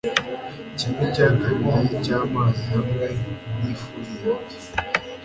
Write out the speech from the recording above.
kimwe cya kabiri cyamazi, hamwe nifuni yanjye